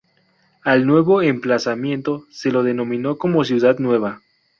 Al nuevo emplazamiento se lo denominó como Ciudad Nueva.